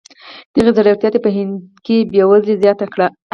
دغې ځوړتیا په هند کې بېوزلي زیاته کړه.